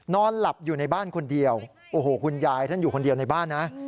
นอนหลับอยู่ในบ้านคนเดียวโอ้โหคุณยายท่านอยู่คนเดียวในบ้านนะ